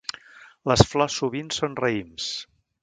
Les flors sovint són raïms.